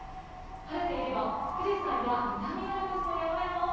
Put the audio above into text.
晴れていれば富士山や南アルプス